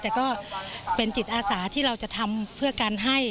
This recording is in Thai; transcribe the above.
แต่ก็เป็นจิตอาสาที่เราจะทำเพื่อการให้